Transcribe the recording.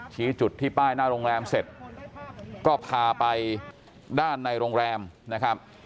ชี้จุดที่ป้ายหน้าโรงแรมเสร็จก็พาไปด้านในโรงแรมนะครับ